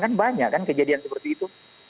kan banyak kan kejadian seperti itu